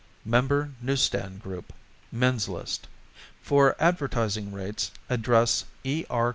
Member Newsstand Group Men's List. For advertising rates address E. R.